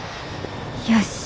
よし。